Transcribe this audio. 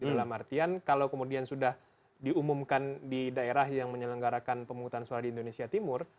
dalam artian kalau kemudian sudah diumumkan di daerah yang menyelenggarakan pemungutan suara di indonesia timur